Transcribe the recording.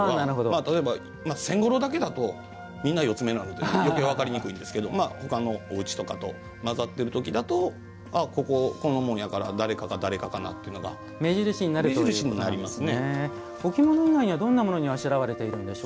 例えば、千五郎だけだとみんな四つ目なのでよけい分からないんですけど他のおうちと交ざってる時だとここ、この紋やから誰かか、誰かかなと目印になりますね。